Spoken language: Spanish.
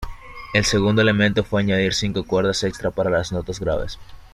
El segundo elemento fue añadir cinco cuerdas extra para las notas graves.